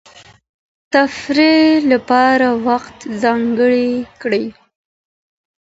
تفریح لپاره وخت ځانګړی کړئ.